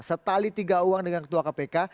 setali tiga uang dengan ketua kpk